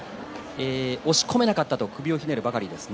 押し込めなかったと首をひねるばかりです。